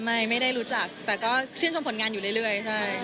ไม่ได้รู้จักแต่ก็ชื่นชมผลงานอยู่เรื่อยใช่